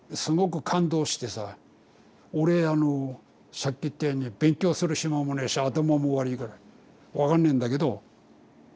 俺あのさっき言ったように勉強する暇もねえし頭も悪いから分かんねえんだけど